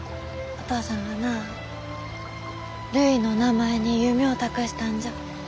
お父さんはなるいの名前に夢ょお託したんじゃ。